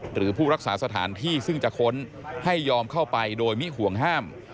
หรือผู้รักษาสถานที่ซึ่งจะค้นให้ยอมเข้าไปโดยมิห่วงห้าม